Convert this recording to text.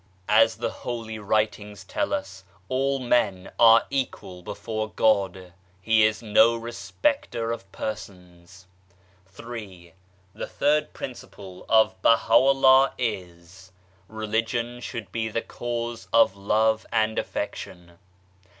As the Holy Writings tell 120 THEOSOPHICAL SOCIETY us : All men are equal before God. He is no respecter of persons. III. The third principle of Baha'u'llah is : Religion should be the Cause of Love and Affection.